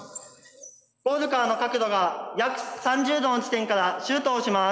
ゴールからの角度が約３０度の地点からシュートをします。